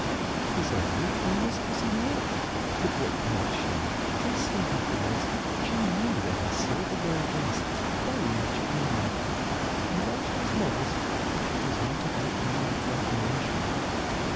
It was early and Miss Pussy knew it, but what cared she, dressed in her furs; she knew that her silver gray dress was very much admired, and while she was modest she was not above caring for admiration.